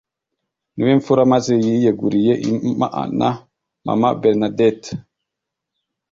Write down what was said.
niwemfura maze yiyeguriye imana, mama bernadette